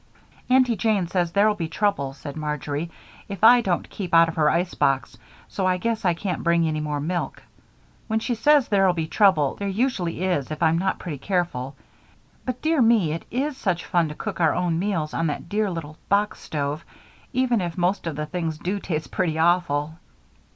"Aunty Jane says there'll be trouble," said Marjory, "if I don't keep out of her ice box, so I guess I can't bring any more milk. When she says there'll be trouble, there usually is, if I'm not pretty careful. But dear me, it is such fun to cook our own meals on that dear little box stove, even if most of the things do taste pretty awful."